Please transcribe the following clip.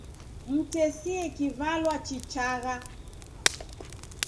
Mtesie kivalwa chichagha.